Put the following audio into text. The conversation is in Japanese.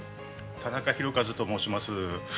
田中宏和と申します。